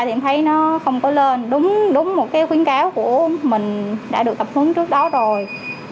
em thấy nó không có lên đúng một khuyến cáo của mình đã được tập hướng trước đó rồi